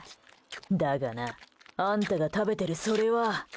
だがなあんたが食べてるそれは。